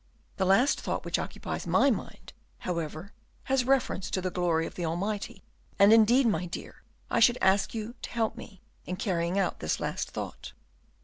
The last thought which occupies my mind, however has reference to the glory of the Almighty, and, indeed, my dear, I should ask you to help me in carrying out this last thought."